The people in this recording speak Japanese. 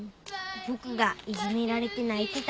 僕がいじめられて泣いてたら。